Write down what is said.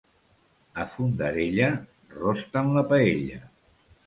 A Fondarella rosten la paella.